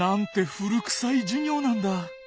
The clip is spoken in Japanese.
古くさい授業なんだ。